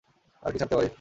আর কি ছাড়তে পারি?